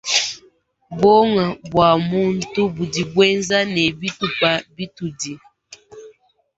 Buongo bua muntu budi buenza ne bitupa bibidi.